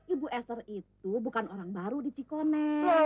ibu eser itu bukan orang baru di cikoneng